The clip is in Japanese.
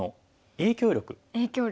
影響力。